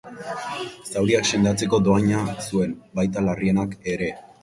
Zauriak sendatzeko dohaina zuen, baita larrienak ere.